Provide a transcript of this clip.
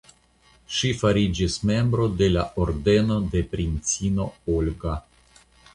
Ŝi fariĝis membro de la Ordeno de Princino Olga.